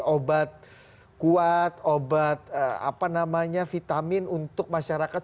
obat kuat obat vitamin untuk masyarakat